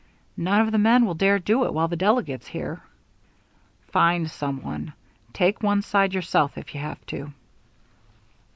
"None of the men will dare do it while the delegate's here." "Find some one take one side yourself, if you have to."